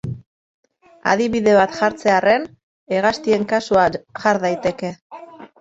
Adibide bat jartzearren Hegaztien kasua jar daiteke.